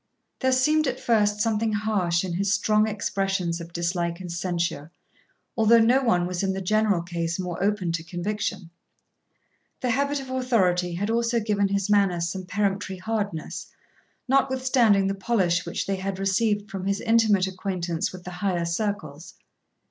There seemed at first something harsh in his strong expressions of dislike and censure, although no one was in the general case more open to conviction. The habit of authority had also given his manners some peremptory hardness, notwithstanding the polish which they had received from his intimate acquaintance with the higher circles.